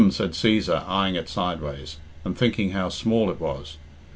said Cæsar, eyeing it sideways, and thinking how small it was.